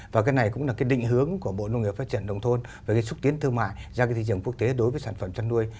và cái này cũng là cái định hướng của bộ nông nghiệp phát triển nông thôn về cái xúc tiến thương mại ra cái thị trường quốc tế đối với sản phẩm chăn nuôi